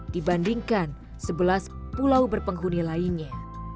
dibandingkan sebelas pulau berpenghuni lainnya